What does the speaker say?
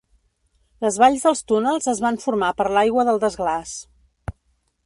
Les valls dels túnels es van formar per l'aigua del desglaç.